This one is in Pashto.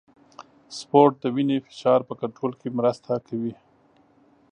سپورت د وینې فشار په کنټرول کې مرسته کوي.